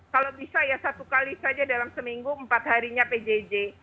kalau bisa ya satu kali saja dalam seminggu empat harinya pjj